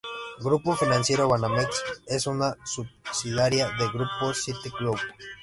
Grupo Financiero Banamex es una subsidiaria de grupo Citigroup.